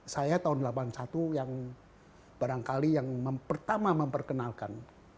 saya tahun delapan puluh satu yang barangkali yang pertama memperkenalkan